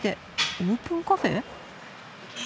オープンカフェ？